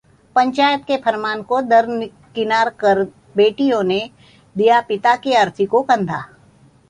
पंचायत के फरमान को दरकिनार कर बेटियों ने दिया पिता की अर्थी को कंधा